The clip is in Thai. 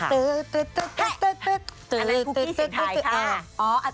อันนี้คุกกี้เสียงไทยค่ะ